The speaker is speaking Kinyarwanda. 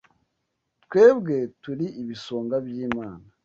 Twebwe turi ibisonga by’Imana